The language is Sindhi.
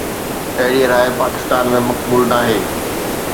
اهڙي راءِ پاڪستان ۾ مقبول ناهي.